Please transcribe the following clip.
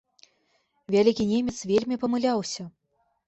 Вялікі немец вельмі памыляўся.